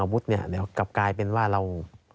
ถามถึงอาวุธกลายเป็นว่าเรา